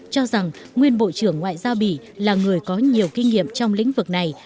cho rằng nguyên bộ trưởng ngoại giao bỉ là người có nhiều kinh nghiệm trong lĩnh vực này